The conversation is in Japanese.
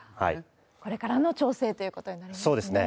これからの調整ということになりますね。